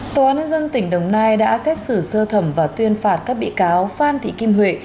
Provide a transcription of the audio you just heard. tòa án nhân dân tỉnh đồng nai đã xét xử sơ thẩm và tuyên phạt các bị cáo phan thị kim huệ